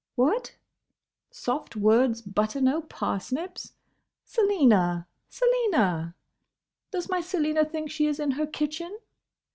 —What? soft words butter no parsnips?—Selina, Selina—! Does my Selina think she is in her kitchen?